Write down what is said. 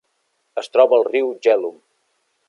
Es troba al riu Jhelum.